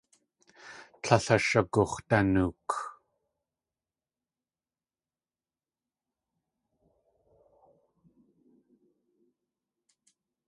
Tlél shagux̲danook.